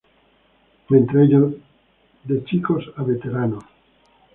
Entre ellos, "De chicos a veteranos.